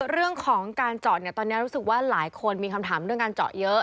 เรื่องของการเจาะตอนนี้รู้สึกว่าหลายคนมีคำถามเรื่องการเจาะเยอะ